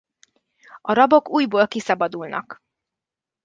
A rabok újból kiszabadulnak.